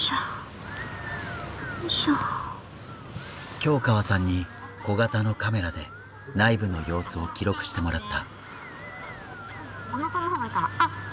京河さんに小型のカメラで内部の様子を記録してもらった。